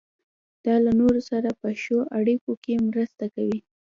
دا له نورو سره په ښو اړیکو کې مرسته کوي.